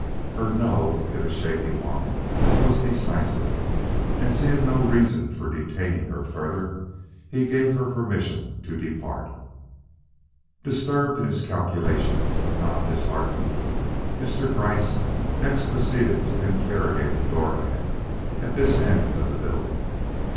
Her "no," if a shaky one, was decisive, and seeing no reason for detaining her further, he gave her permission to depart. Disturbed in his calculations, but not disheartened, Mr. Gryce next proceeded to interrogate the door man at this end of the building.